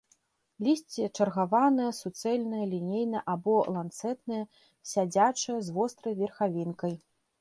Лісце чаргаванае, суцэльнае, лінейнае або ланцэтнае, сядзячае, з вострай верхавінкай.